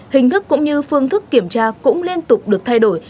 hình thức cũng như phương thức kiểm tra cũng liên tục được thay đổi